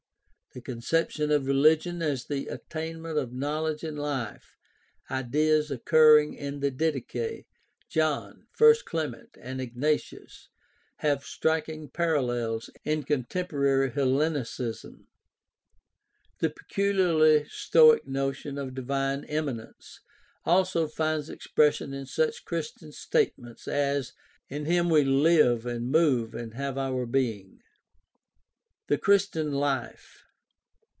The conception of religion as the attainment of "Knowledge" and "Life" — ideas occurring in the Didache, John, I Clement, and Ignatius — have striking parallels in contemporary Hellenicism. The peculiarly Stoic notion of divine immanence also finds expression in such Christian statements as "in him we live and move and have our being" (Acts 17:28). The Christian life.